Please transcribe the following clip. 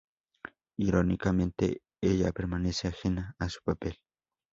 Irónicamente, ella permanece ajena a su papel.